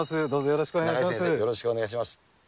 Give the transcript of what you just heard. よろしくお願いします。